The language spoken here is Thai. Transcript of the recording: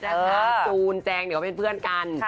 และคุณจูนแจงเดี๋ยวเป็นเพื่อนกัน